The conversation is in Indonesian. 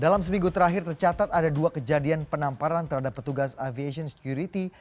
dalam seminggu terakhir tercatat ada dua kejadian penamparan terhadap petugas aviation security